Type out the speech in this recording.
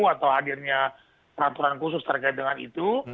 atau hadirnya peraturan khusus terkait dengan itu